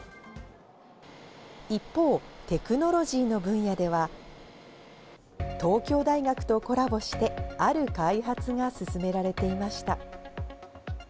一方、テクノロジーの分野では、東京大学とコラボして、ある開発が進められていました。